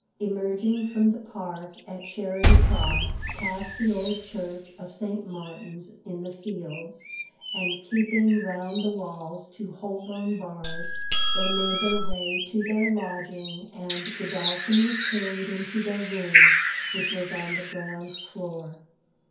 Emerging from the park at Charing Cross, past the old church of Saint. Martin's in the Fields, and keeping round the walls to Holborn Bars, they made their way to their lodging, and Godolphin was carried into their room, which was on the ground floor.